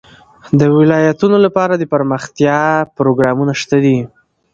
د ولایتونو لپاره دپرمختیا پروګرامونه شته دي.